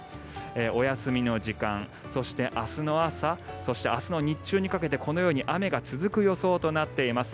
お休みの時間、そして明日の朝そして、明日の日中にかけてこのように雨が続く予想となっています。